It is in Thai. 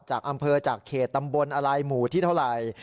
จากอำเภอจากเขตตำบลอะไรหมู่ที่เท่าไหร่